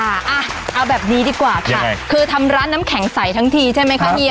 อ่ะเอาแบบนี้ดีกว่าค่ะคือทำร้านน้ำแข็งใสทั้งทีใช่ไหมคะเฮีย